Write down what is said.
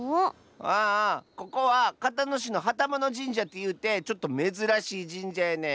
ああここはかたのしのはたものじんじゃってゆうてちょっとめずらしいじんじゃやねん。